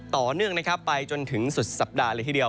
ต่อเนื่องนะครับไปจนถึงสุดสัปดาห์เลยทีเดียว